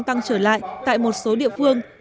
tăng trở lại tại một số địa phương